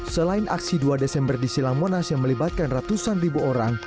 selain aksi dua desember di silang monas yang melibatkan ratusan ribu orang